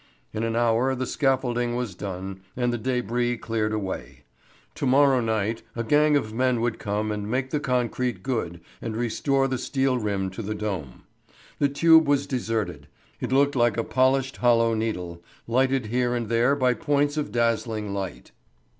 In an hour the scaffolding was done and the débris cleared away. To morrow night a gang of men would come and make the concrete good and restore the steel rim to the dome. The tube was deserted. It looked like a polished, hollow needle, lighted here and there by points of dazzling light.